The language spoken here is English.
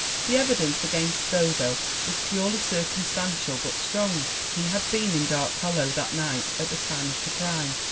The evidence ANNA KATHARINE GREEN 207 against Scoville was purely circumstantial but strong. He had been in Dark Hollow that night at the time of the crime.